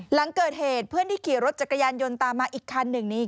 หลังเกิดเหตุเพื่อนที่ขี่รถจักรยานยนต์ตามมาอีกคันหนึ่งนี้